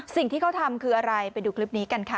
สิ่งที่เขาทำคืออะไรไปดูคลิปนี้กันค่ะ